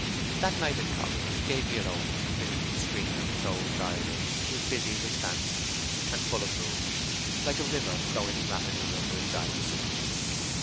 That night at Coggan's, Gabriel Oak, beneath the screen of closed eyelids, was busy with fancies, and full of movement, like a river flowing rapidly under its ice.